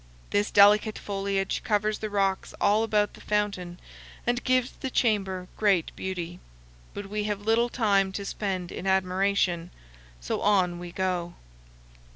This delicate foliage covers the rocks all about the fountain, and gives the chamber great beauty. But we have little time to spend in admiration; so on we go.